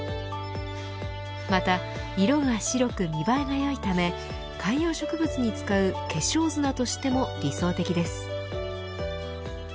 また、色が白く見栄えがよいため観葉植物に使う化粧砂としても理想的です。